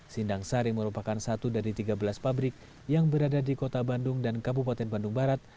sindang sari merupakan satu dari tiga belas pabrik yang berada di kota bandung dan kabupaten bandung barat